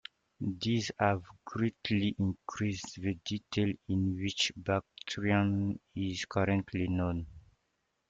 These have greatly increased the detail in which Bactrian is currently known.